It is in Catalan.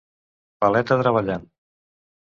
paleta treballant.